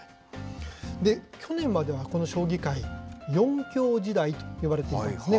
去年まではこの将棋界、四強時代と呼ばれているんですね。